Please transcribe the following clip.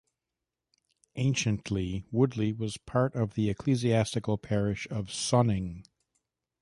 Anciently, Woodley was part of the ecclesiastical parish of Sonning.